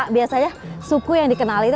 biasanya suku yang dikenal itu